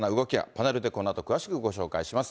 パネルでこのあと詳しくご紹介します。